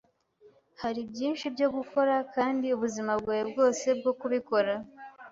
Hariho byinshi byo gukora, kandi ubuzima bwawe bwose bwo kubikora.